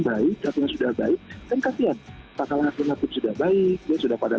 baik yang sudah baik dan kasihan takal hakim hakim sudah baik dia sudah pada